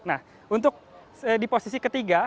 nah untuk di posisi ketiga